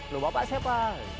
loh bapaknya siapa